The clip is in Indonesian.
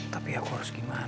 tapi aku harus bagaimana